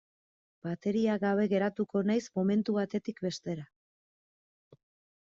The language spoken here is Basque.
Bateria gabe geratuko naiz momentu batetik bestera.